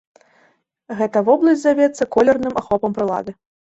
Гэта вобласць завецца колерным ахопам прылады.